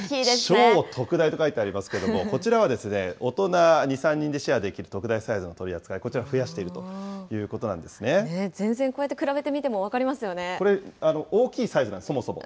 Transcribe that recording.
超特大と書いてありますけれども、こちらは大人２、３人でシェアできる特大サイズの取り扱い、こちら増やしているということな全然こうやって比べてみてもこれ、大きいサイズなんです、そもそも。